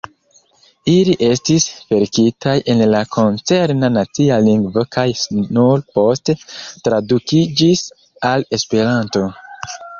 Ili estis verkitaj en la koncerna nacia lingvo kaj nur poste tradukiĝis al Esperanto.